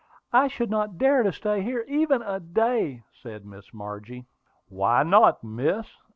"I should not dare to stay here even a day," said Miss Margie. "Why not, miss?"